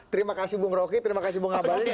terima kasih bung rocky terima kasih bung abang